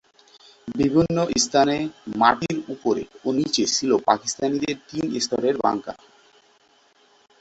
বিভিন্ন স্থানে মাটির ওপরে ও নিচে ছিল পাকিস্তানিদের তিন স্তরের বাংকার।